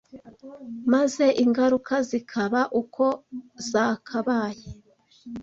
maze ingaruka zikaba uko zakabaye